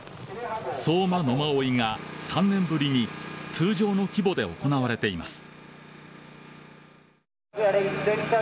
相馬野馬追が３年ぶりに通常の規模で行われています。